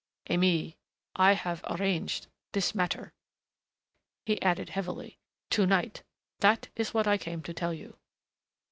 "Aimée, I have arranged this matter." He added heavily, "To night. That is what I came to tell you."